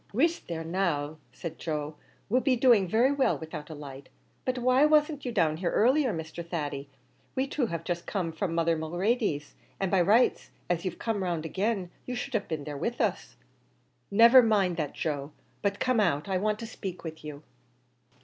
"Whisht there now," said Joe; "we'll be doing very well without a light; but why wasn't you down here earlier, Mr. Thady? We two have just come from mother Mulready's, an' by rights, as you've come round agin, you should have been there with us." "Never mind that, Joe, but come out; I want to spake to you."